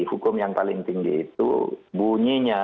hukum yang paling tinggi itu bunyinya